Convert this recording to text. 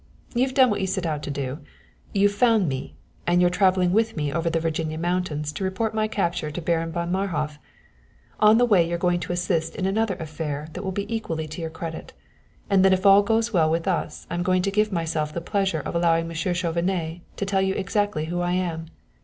You've done what you set out to do you've found me; and you're traveling with me over the Virginia mountains to report my capture to Baron von Marhof. On the way you are going to assist in another affair that will be equally to your credit; and then if all goes well with us I'm going to give myself the pleasure of allowing Monsieur Chauvenet to tell you exactly who I am.